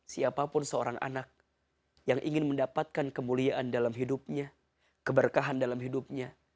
siapapun seorang anak yang ingin mendapatkan kemuliaan dalam hidupnya keberkahan dalam hidupnya